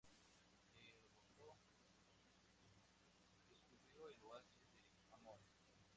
Heródoto describió el oasis de Amón.